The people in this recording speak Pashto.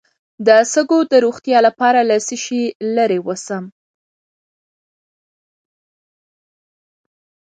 د سږو د روغتیا لپاره له څه شي لرې اوسم؟